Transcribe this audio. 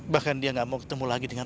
bahkan dia gak mau ketemu lagi dengan